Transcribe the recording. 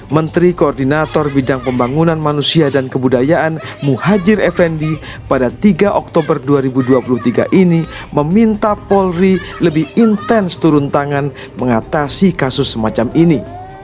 menteri koordinator bidang pembangunan manusia dan kebudayaan muhajir effendi pada tiga oktober dua ribu dua puluh tiga ini meminta polri lebih intens turun tangan mengatasi kasus semacam ini